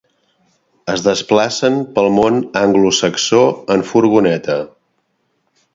Es desplacen pel món anglosaxó en furgoneta.